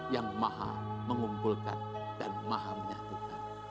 yang maha mengumpulkan dan maha menyatukan